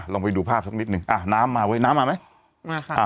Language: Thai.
ลองไปดูภาพสักนิดนึงน้ำมาเว้ยน้ำมาไหม